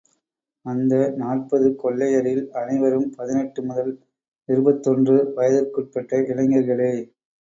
அந்த நாற்பது கொள்ளையரில் அனைவரும் பதினெட்டு முதல் இருபத்தொன்று வயதிற்குட்பட்ட இளைஞர்களே!